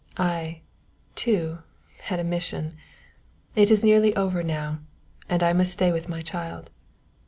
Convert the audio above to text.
I, too, had a 'mission'; it is nearly over now, and I must stay with my child.